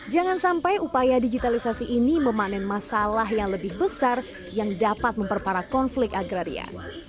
jangan sampai upaya digitalisasi ini memanen masalah yang lebih besar yang dapat memperparah konflik agraria